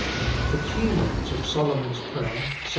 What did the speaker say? '''' The key note of Solomon's prayer (2 Chron.